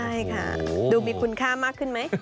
ใช่ค่ะดูมีคุณค่ามากขึ้นไหม